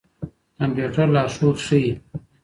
کمپيوټر لارښود ښيي.